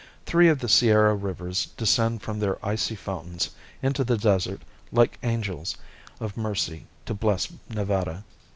Three of the Sierra rivers descend from their icy fountains into the desert like angels of mercy to bless Nevada.